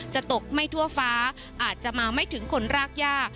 จะตกไม่ทั่วฟ้าอาจจะมาไม่ถึงคนรากย่า